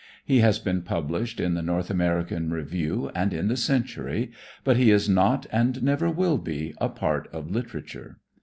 He has been published in the North American Review and in the Century, but he is not and never will be a part of literature.